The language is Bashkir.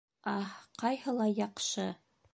— Аһ, ҡайһылай яҡшы!